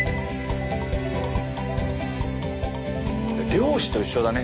漁師と一緒だね